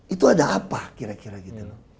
itu ada apa kira kira gitu loh